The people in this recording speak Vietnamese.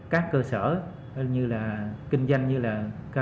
các cơ sở kinh doanh như karaoke massage cơ sở gây bắn cá